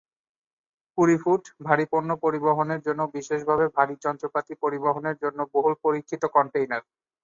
কুড়ি-ফুট, ভারী পণ্য পরিবহনের জন্যে বিশেষভাবে ভারী যন্ত্রপাতি পরিবহনের জন্যে "বহুল পরীক্ষিত" কন্টেইনার।